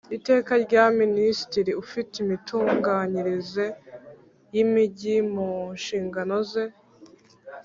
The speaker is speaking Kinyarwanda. Iteka rya Minisitiri ufite imitunganyirize y’imijyi mu nshingano ze